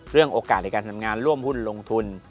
โอกาสในการทำงานร่วมหุ้นลงทุน